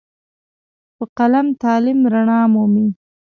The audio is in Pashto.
په قلم تعلیم رڼا مومي.